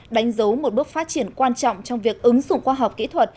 đánh dấu một bước phát triển quan trọng trong việc ứng dụng khoa học kỹ thuật